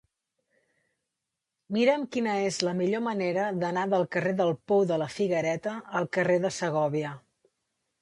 Mira'm quina és la millor manera d'anar del carrer del Pou de la Figuereta al carrer de Segòvia.